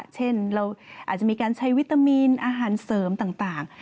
เช่นเราอาจจะมีการใช้วิตามินอาหารเสริมต่าง